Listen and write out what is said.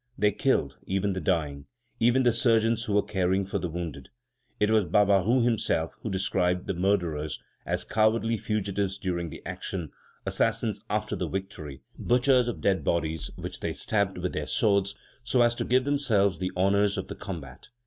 They killed even the dying, even the surgeons who were caring for the wounded. It is Barbaroux himself who describes the murderers as "cowardly fugitives during the action, assassins after the victory, butchers of dead bodies which they stabbed with their swords so as to give themselves the honors of the combat.